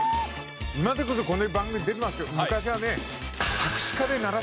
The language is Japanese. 今でこそこんなに番組出てますけど昔はね。